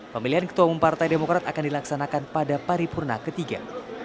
pemilihan ketua umum partai demokrat akan dilaksanakan pada paripurna ketiga